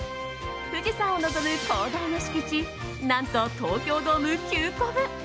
富士山を望む広大な敷地何と、東京ドーム９個分！